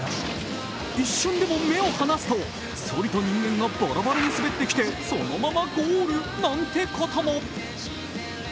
一瞬でも目を離すと、そりと人間がバラバラに滑ってきてそのままゴールなんてことも。